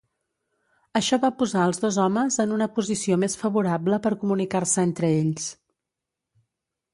Això va posar els dos homes en una posició més favorable per comunicar-se entre ells.